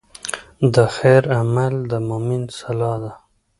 د خیر عمل د مؤمن سلاح ده.